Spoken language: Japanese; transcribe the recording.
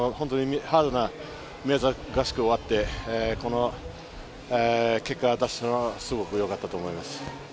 ハードな合宿が終わって、この結果を出せたのはすごくよかったと思います。